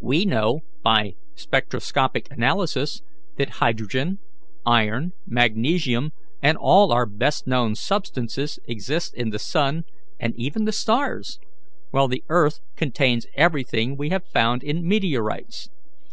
We know by spectroscopic analysis that hydrogen, iron, magnesium, and all our best known substances exist in the sun, and even the stars, while the earth contains everything we have found in meteorites.